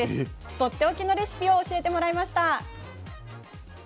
とっておきのレシピを教えてもらいました。